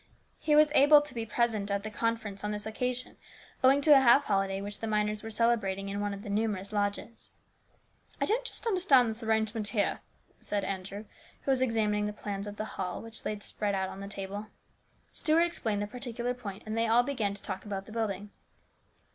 He was able to be present at the conference on this occasion, owing to a half holiday which the miners were celebrating in one of the numerous lodges. " I don't just understand this arrangement here," said Andrew, who was examining the plans of the hall which lay spread out on the table. Stuart explained the paiticular point, and then they all began to talk about the building.